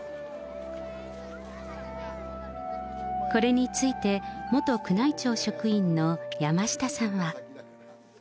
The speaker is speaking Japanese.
これについて元宮内庁職員の山下さんは。